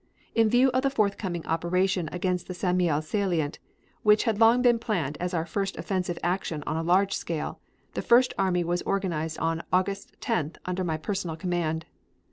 In view of the forthcoming operation against the St. Mihiel salient, which had long been planned as our first offensive action on a large scale, the First Army was organized on August 10th under my personal command.